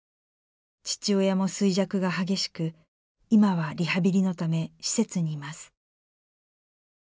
父親も衰弱が激しく今はリハビリのため施設にいます。